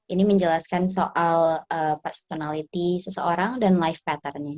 ini menjelaskan soal personality seseorang dan life pattern nya